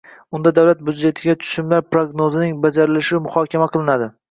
Unda davlat byudjetiga tushumlar prognozining bajarilishi muhokama qilinadi